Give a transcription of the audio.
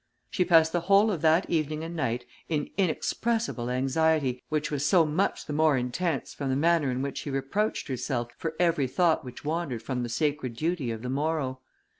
She passed the whole of that evening and night in inexpressible anxiety, which was so much the more intense, from the manner in which she reproached herself for every thought which wandered from the sacred duty of the morrow.